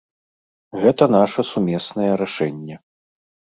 Гэта наша сумеснае рашэнне.